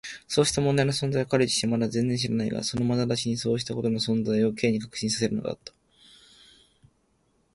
そうした問題の存在を彼自身はまだ全然知らないが、そのまなざしがそうしたことの存在を Ｋ に確信させるのだった。